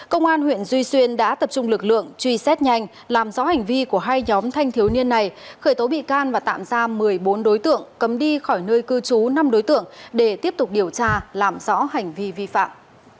công an huyện duy xuyên đã tập trung lực lượng truy xét nhanh làm rõ hành vi của hai nhóm thanh thiếu niên này khởi tố bị can và tạm giam một mươi bốn đối tượng cấm đi khỏi nơi cư trú năm đối tượng để tiếp tục điều tra làm rõ hành vi vi phạm